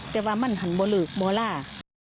แต่ว่ามันหันโบเลิกโบล่า